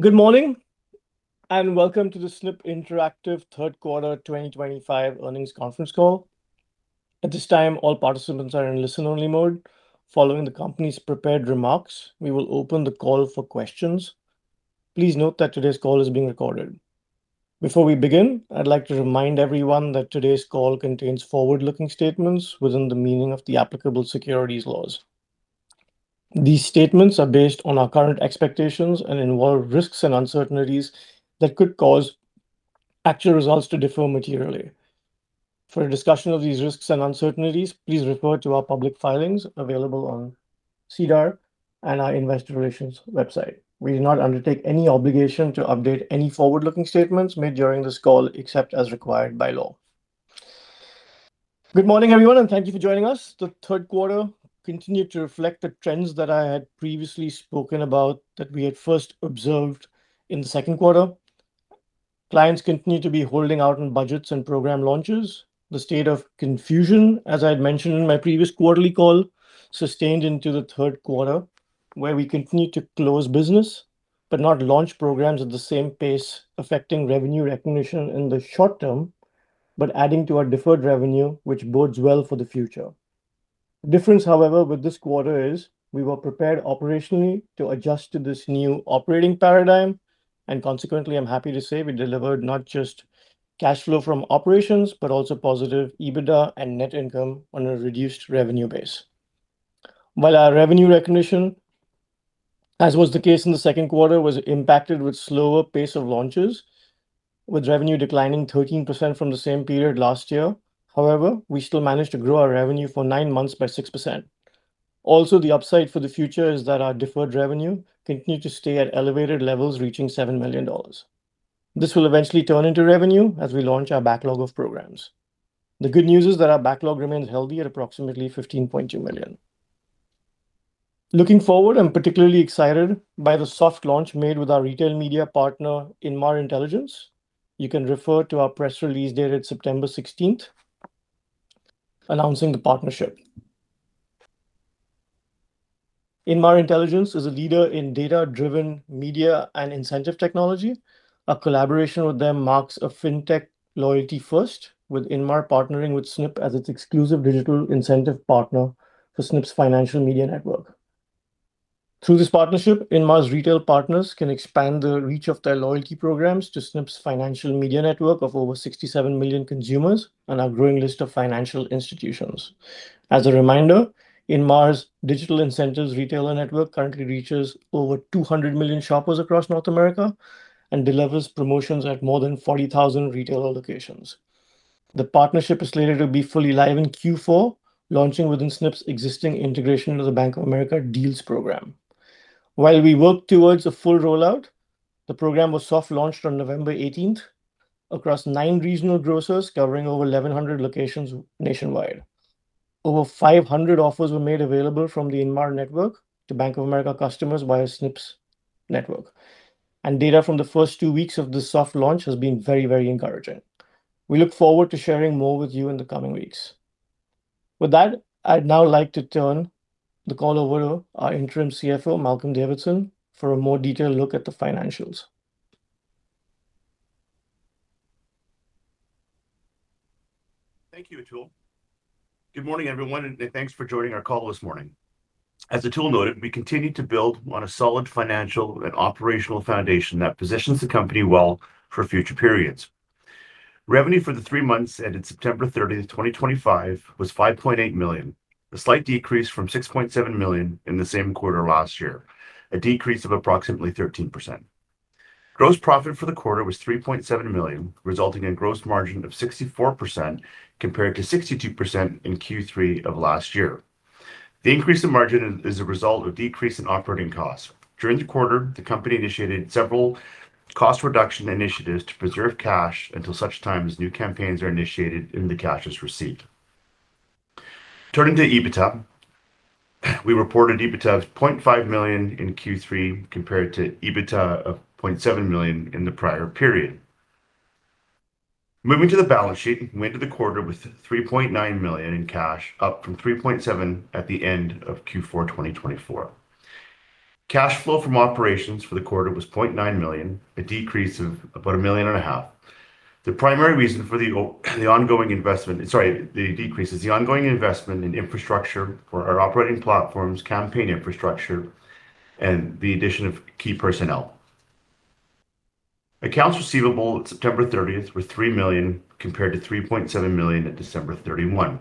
Good morning, and welcome to the Snipp Interactive third quarter 2025 earnings conference call. At this time, all participants are in listen-only mode. Following the company's prepared remarks, we will open the call for questions. Please note that today's call is being recorded. Before we begin, I'd like to remind everyone that today's call contains forward-looking statements within the meaning of the applicable securities laws. These statements are based on our current expectations and involve risks and uncertainties that could cause actual results to differ materially. For a discussion of these risks and uncertainties, please refer to our public filings available on SEDAR and our investor relations website. We do not undertake any obligation to update any forward-looking statements made during this call except as required by law. Good morning, everyone, and thank you for joining us. The third quarter continued to reflect the trends that I had previously spoken about that we had first observed in the second quarter. Clients continue to be holding out on budgets and program launches. The state of confusion, as I had mentioned in my previous quarterly call, sustained into the third quarter, where we continued to close business but not launch programs at the same pace, affecting revenue recognition in the short-term but adding to our deferred revenue, which bodes well for the future. The difference, however, with this quarter is we were prepared operationally to adjust to this new operating paradigm, and consequently, I'm happy to say we delivered not just cash flow from operations but also positive EBITDA and net income on a reduced revenue base. While our revenue recognition, as was the case in the second quarter, was impacted with a slower pace of launches, with revenue declining 13% from the same period last year, however, we still managed to grow our revenue for nine months by 6%. Also, the upside for the future is that our deferred revenue continued to stay at elevated levels, reaching $7 million. This will eventually turn into revenue as we launch our backlog of programs. The good news is that our backlog remains healthy at approximately $15.2 million. Looking forward, I'm particularly excited by the soft launch made with our retail media partner, Inmar Intelligence. You can refer to our press release dated September 16th announcing the partnership. Inmar Intelligence is a leader in data-driven media and incentive technology. Our collaboration with them marks a FinTech loyalty first, with Inmar partnering with Snipp as its exclusive digital incentive partner for Snipp's Financial Media Network. Through this partnership, Inmar's retail partners can expand the reach of their loyalty programs to Snipp's Financial Media Network of over 67 million consumers and our growing list of financial institutions. As a reminder, Inmar's digital incentives retailer network currently reaches over 200 million shoppers across North America and delivers promotions at more than 40,000 retailer locations. The partnership is slated to be fully live in Q4, launching within Snipp's existing integration into the Bank of America Deals program. While we work towards a full rollout, the program was soft-launched on November 18th across nine regional grocers covering over 1,100 locations nationwide. Over 500 offers were made available from the Inmar network to Bank of America customers via Snipp's network, and data from the first two weeks of the soft launch has been very, very encouraging. We look forward to sharing more with you in the coming weeks. With that, I'd now like to turn the call over to our interim CFO, Malcolm Davidson, for a more detailed look at the financials. Thank you, Atul. Good morning, everyone, and thanks for joining our call this morning. As Atul noted, we continue to build on a solid financial and operational foundation that positions the company well for future periods. Revenue for the three months ended September 30th, 2025, was $5.8 million, a slight decrease from $6.7 million in the same quarter last year, a decrease of approximately 13%. Gross profit for the quarter was $3.7 million, resulting in a gross margin of 64% compared to 62% in Q3 of last year. The increase in margin is a result of a decrease in operating costs. During the quarter, the company initiated several cost reduction initiatives to preserve cash until such time as new campaigns are initiated and the cash is received. Turning to EBITDA, we reported EBITDA of $0.5 million in Q3 compared to EBITDA of $0.7 million in the prior period. Moving to the balance sheet, we ended the quarter with $3.9 million in cash, up from $3.7 million at the end of Q4 2024. Cash flow from operations for the quarter was $0.9 million, a decrease of about $1.5 million. The primary reason for the ongoing investment, sorry, the decrease is the ongoing investment in infrastructure for our operating platforms, campaign infrastructure, and the addition of key personnel. Accounts receivable at September 30th were $3 million compared to $3.7 million at December 31,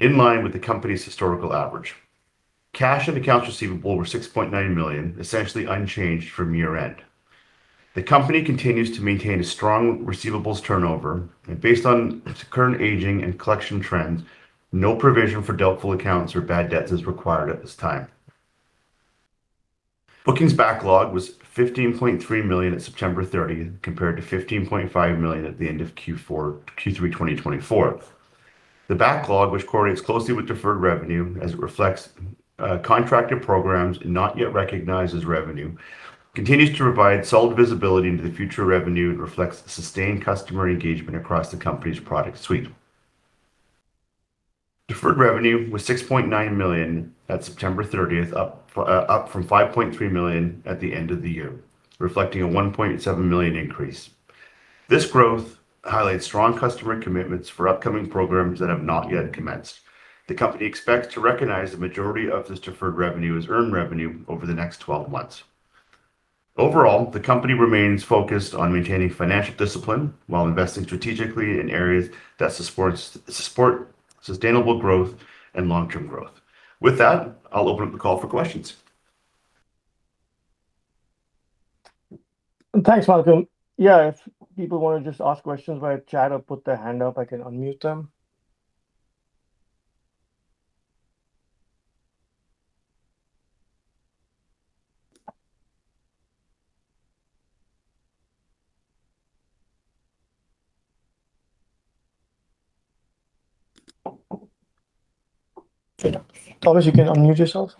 in line with the company's historical average. Cash and accounts receivable were $6.9 million, essentially unchanged from year-end. The company continues to maintain a strong receivables turnover, and based on current aging and collection trends, no provision for doubtful accounts or bad debts is required at this time. Bookings backlog was $15.3 million at September 30th compared to $15.5 million at the end of Q3 2024. The backlog, which correlates closely with deferred revenue as it reflects contracted programs and not yet recognized as revenue, continues to provide solid visibility into the future revenue and reflects sustained customer engagement across the company's product suite. Deferred revenue was $6.9 million at September 30th, up from $5.3 million at the end of the year, reflecting a $1.7 million increase. This growth highlights strong customer commitments for upcoming programs that have not yet commenced. The company expects to recognize the majority of this deferred revenue as earned revenue over the next 12 months. Overall, the company remains focused on maintaining financial discipline while investing strategically in areas that support sustainable growth and long-term growth. With that, I'll open up the call for questions. Thanks, Malcolm. Yeah, if people want to just ask questions via chat or put their hand up, I can unmute them. Obviously, you can unmute yourself.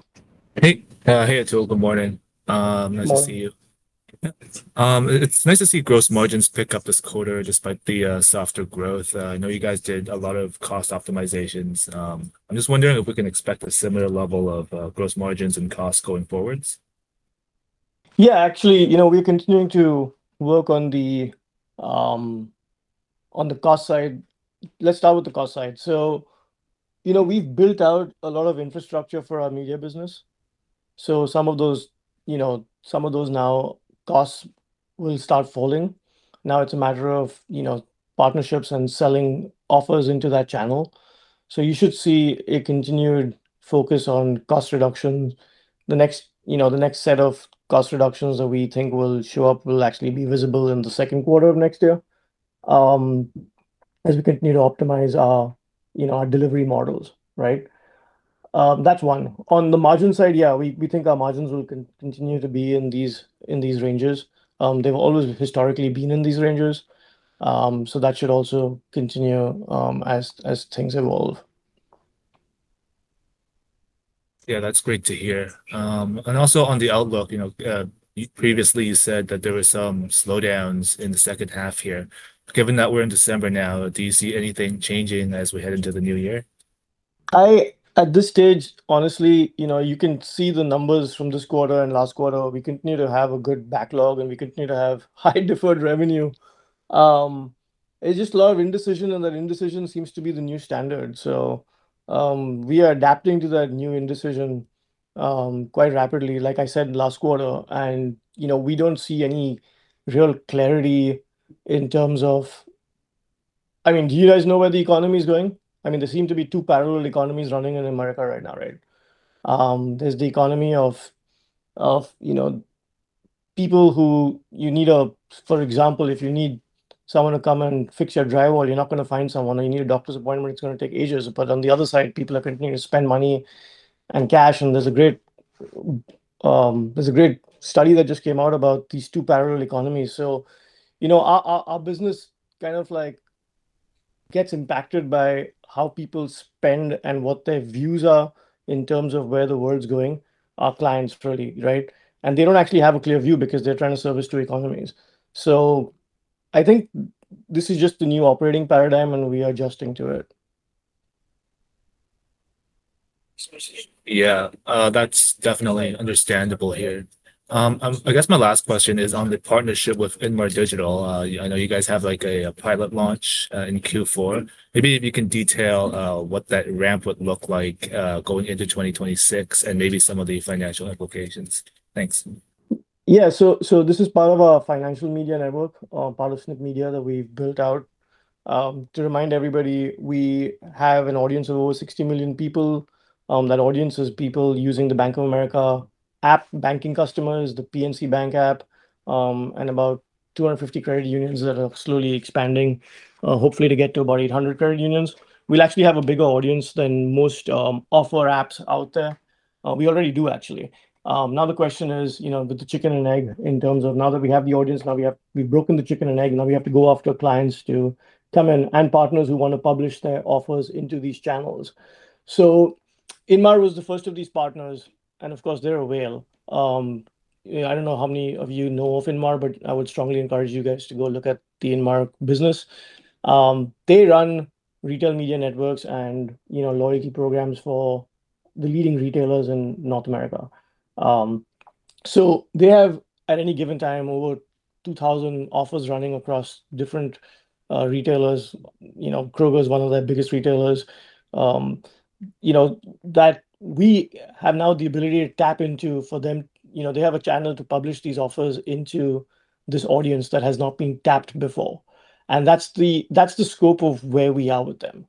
Hey, hey, Atul. Good morning. Nice to see you. It's nice to see gross margins pick up this quarter despite the softer growth. I know you guys did a lot of cost optimizations. I'm just wondering if we can expect a similar level of gross margins and costs going forwards? Yeah, actually, you know, we're continuing to work on the cost side. Let's start with the cost side. So, you know, we've built out a lot of infrastructure for our media business. So some of those, you know, some of those now costs will start falling. Now it's a matter of, you know, partnerships and selling offers into that channel. So you should see a continued focus on cost reductions. The next, you know, the next set of cost reductions that we think will show up will actually be visible in the second quarter of next year as we continue to optimize our, you know, our delivery models, right? That's one. On the margin side, yeah, we think our margins will continue to be in these ranges. They've always historically been in these ranges, so that should also continue as things evolve. Yeah, that's great to hear. And also on the outlook, you know, previously you said that there were some slowdowns in the second half here. Given that we're in December now, do you see anything changing as we head into the new year? At this stage, honestly, you know, you can see the numbers from this quarter and last quarter. We continue to have a good backlog, and we continue to have high deferred revenue. It's just a lot of indecision, and that indecision seems to be the new standard. So we are adapting to that new indecision quite rapidly, like I said last quarter. And, you know, we don't see any real clarity in terms of, I mean, do you guys know where the economy is going? I mean, there seem to be two parallel economies running in America right now, right? There's the economy of, you know, people who you need a, for example, if you need someone to come and fix your drywall, you're not going to find someone, or you need a doctor's appointment, it's going to take ages. But on the other side, people are continuing to spend money and cash, and there's a great study that just came out about these two parallel economies, so you know, our business kind of like gets impacted by how people spend and what their views are in terms of where the world's going, our clients really, right? And they don't actually have a clear view because they're trying to service two economies, so I think this is just the new operating paradigm, and we are adjusting to it. Yeah, that's definitely understandable here. I guess my last question is on the partnership with Inmar Intelligence. I know you guys have like a pilot launch in Q4. Maybe if you can detail what that ramp would look like going into 2026 and maybe some of the financial implications? Thanks. Yeah, so this is part of our Financial Media Network, part of Snipp Media that we've built out. To remind everybody, we have an audience of over 60 million people. That audience is people using the Bank of America app, banking customers, the PNC Bank app, and about 250 credit unions that are slowly expanding, hopefully to get to about 800 credit unions. We'll actually have a bigger audience than most offer apps out there. We already do, actually. Now the question is, you know, with the chicken and egg in terms of now that we have the audience, we've broken the chicken and egg, now we have to go after clients to come in and partners who want to publish their offers into these channels. So Inmar was the first of these partners, and of course, they're a whale. I don't know how many of you know of Inmar, but I would strongly encourage you guys to go look at the Inmar business. They run retail media networks and, you know, loyalty programs for the leading retailers in North America, so they have, at any given time, over 2,000 offers running across different retailers. You know, Kroger is one of their biggest retailers. You know, that we have now the ability to tap into for them, you know, they have a channel to publish these offers into this audience that has not been tapped before, and that's the scope of where we are with them,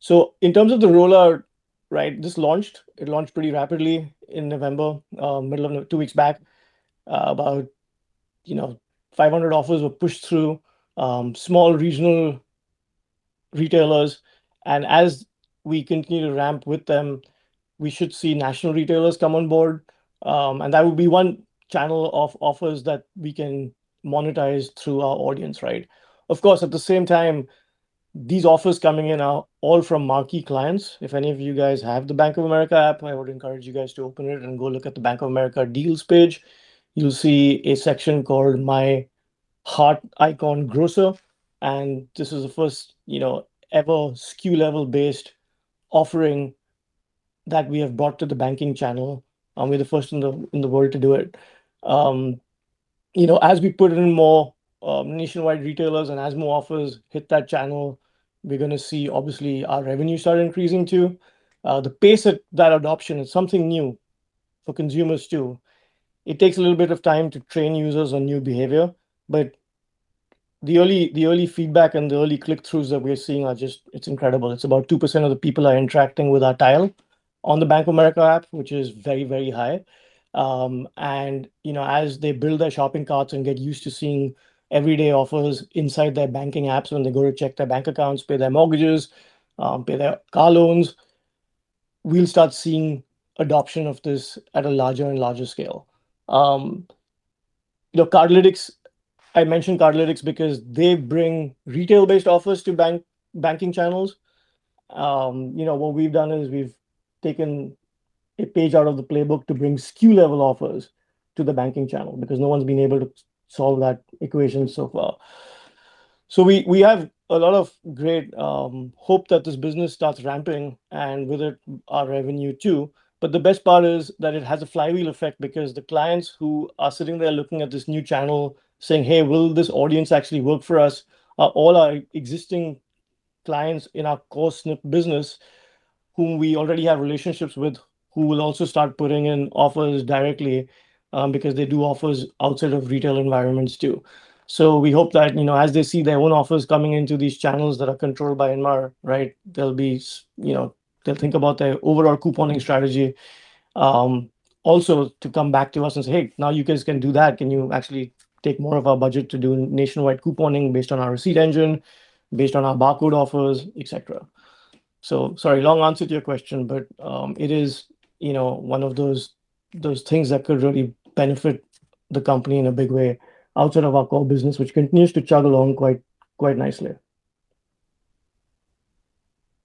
so in terms of the rollout, right, this launched, it launched pretty rapidly in November, middle of two weeks back, about, you know, 500 offers were pushed through small regional retailers. As we continue to ramp with them, we should see national retailers come on board. That would be one channel of offers that we can monetize through our audience, right? Of course, at the same time, these offers coming in are all from marquee clients. If any of you guys have the Bank of America app, I would encourage you guys to open it and go look at the Bank of America Deals page. You'll see a section called My Heart Icon Grocer. This is the first, you know, ever SKU-level based offering that we have brought to the banking channel. We're the first in the world to do it. You know, as we put in more nationwide retailers and as more offers hit that channel, we're going to see, obviously, our revenue start increasing too. The pace of that adoption is something new for consumers too. It takes a little bit of time to train users on new behavior, but the early feedback and the early click-throughs that we're seeing are just, it's incredible. It's about 2% of the people are interacting with our tile on the Bank of America app, which is very, very high. And, you know, as they build their shopping carts and get used to seeing everyday offers inside their banking apps when they go-to-check their bank accounts, pay their mortgages, pay their car loans, we'll start seeing adoption of this at a larger and larger scale. You know, Cardlytics, I mentioned Cardlytics because they bring retail-based offers to banking channels. You know, what we've done is we've taken a page out of the playbook to bring SKU-level offers to the banking channel because no one's been able to solve that equation so far. So we have a lot of great hope that this business starts ramping and with it our revenue too. But the best part is that it has a flywheel effect because the clients who are sitting there looking at this new channel saying, "Hey, will this audience actually work for us?" All our existing clients in our core Snipp business, whom we already have relationships with, who will also start putting in offers directly because they do offers outside of retail environments too. So we hope that, you know, as they see their own offers coming into these channels that are controlled by Inmar, right, they'll be, you know, they'll think about their overall couponing strategy. Also to come back to us and say, "Hey, now you guys can do that. Can you actually take more of our budget to do nationwide couponing based on our receipt engine, based on our barcode offers, et cetera?" So, sorry, long answer to your question, but it is, you know, one of those things that could really benefit the company in a big way outside of our core business, which continues to chug along quite nicely.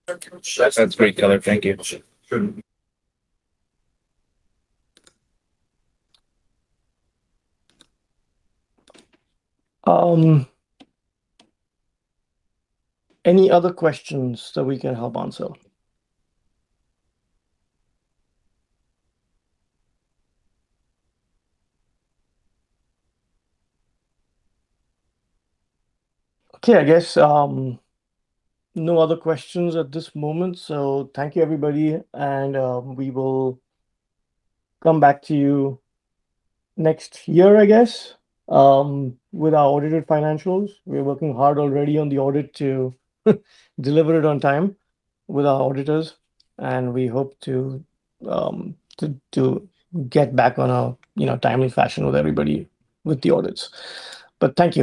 That's great color. Thank you. Any other questions that we can help answer? Okay, I guess no other questions at this moment. So thank you, everybody. And we will come back to you next year, I guess, with our audited financials. We're working hard already on the audit to deliver it on time with our auditors. And we hope to get back on a timely fashion with everybody with the audits. But thank you.